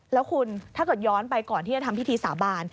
แล้วคุณถ้าเกิดย้อนไปก่อนที่จะทำพิธีสาบาน